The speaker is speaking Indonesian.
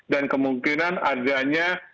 dan kemungkinan adanya